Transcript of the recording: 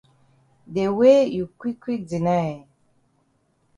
De way you quick quick deny eh.